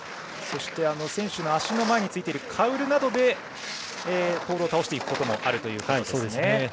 そして選手の足の前についているカウルなどでポールを倒すこともあるんですね。